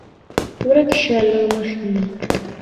ورک شه له مخې مې!